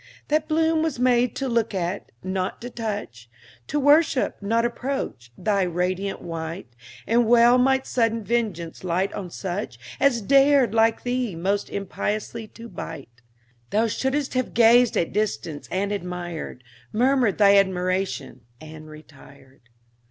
That bloom was made to look at, not to touch; To worship, not approach, that radiant white; And well might sudden vengeance light on such As dared, like thee, most impiously to bite. Thou shouldst have gazed at distance, and admired, Murmured thy admiration and retired.